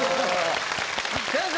先生